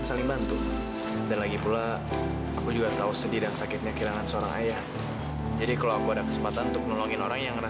sampai jumpa di video selanjutnya